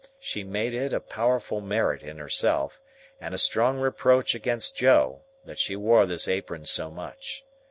She made it a powerful merit in herself, and a strong reproach against Joe, that she wore this apron so much.